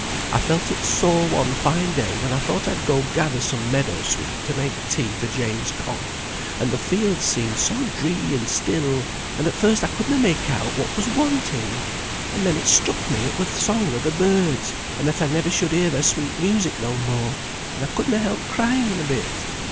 I felt it sore one fine day when I thought I'd go gather some meadow sweet to make tea for Jane's cough; and the fields seemed so dree and still, and at first I could na make out what was wanting; and then it struck me it were th' song o' the birds, and that I never should hear their sweet music no more, and I could na help crying a bit.